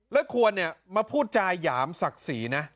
แล้วควรเนี่ยมาพูดจาหยามศักดิ์ศรีนะ